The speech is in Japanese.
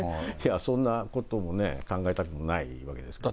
そんなこともね、考えたくもないことですが。